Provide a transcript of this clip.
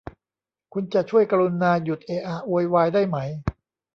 คุณจะช่วยกรุณาหยุดเอะอะโวยวายได้ไหม ?